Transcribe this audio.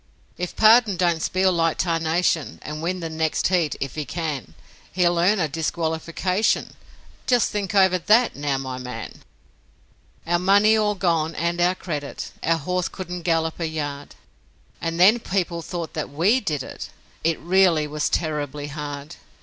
If Pardon don't spiel like tarnation And win the next heat if he can He'll earn a disqualification; Just think over THAT, now, my man!' Our money all gone and our credit, Our horse couldn't gallop a yard; And then people thought that WE did it! It really was terribly hard.